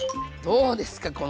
どうですか！